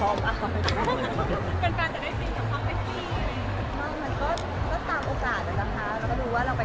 ก็มาเทรดช้าไปแล้วทุกคนก็มีบอกนานออกไปทีมีการคุนให้กลมดีครับเดมอะไรจบนี้